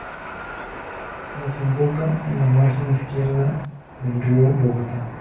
Desemboca en la margen izquierda del río Bogotá.